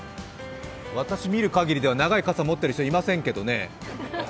私が見る限りは、長い傘を持っている人はいませんけどね？